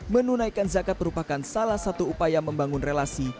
menunaikan zakat merupakan salah satu upaya membangun relasi